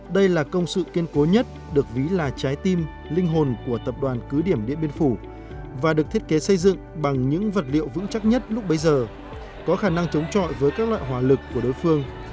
đây là công sự kiên cố nhất được ví là trái tim linh hồn của tập đoàn cứ điểm điện biên phủ và được thiết kế xây dựng bằng những vật liệu vững chắc nhất lúc bấy giờ có khả năng chống trọi với các loại hỏa lực của đối phương